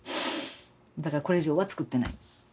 だからこれ以上は作ってない。